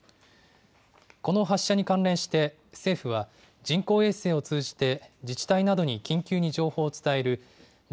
この発射に関連して政府は人工衛星を通じて自治体などに緊急に情報を伝えるＪ−ＡＬＥＲＴ